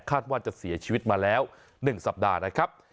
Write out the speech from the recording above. ว่าจะเสียชีวิตมาแล้ว๑สัปดาห์นะครับ